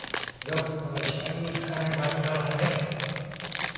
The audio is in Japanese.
よっぽど人目につかない場所だろうね。